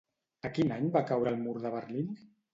A quin any va caure el mur de Berlín?